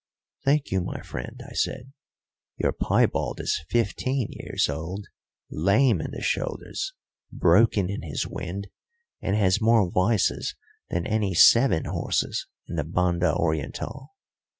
"Thank you, my friend," I said. "Your piebald is fifteen years old, lame in the shoulders, broken in his wind, and has more vices than any seven horses in the Banda Orientál.